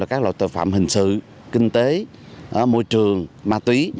các loại tội phạm hình sự kinh tế môi trường ma túy